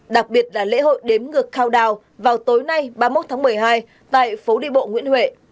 đặc biệt là lễ hội đếm ngược cao đào vào tối nay ba mươi một tháng một mươi hai tại phố đi bộ nguyễn huệ